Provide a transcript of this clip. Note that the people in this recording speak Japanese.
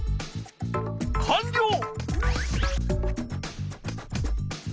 かんりょう！